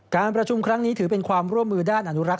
การประชุมครั้งนี้ถือเป็นความร่วมมือด้านอนุรักษ